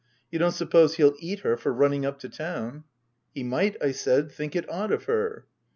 " You don't suppose he'll eat her for running up to town ?"" He might," I said, " think it odd of her."